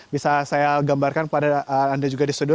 bisa saya gambarkan pada anda juga di studio